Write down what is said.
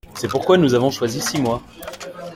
C’est pourquoi nous avons choisi six mois.